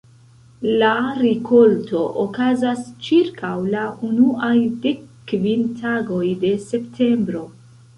La rikolto okazas ĉirkaŭ la unuaj dek kvin tagoj de septembro.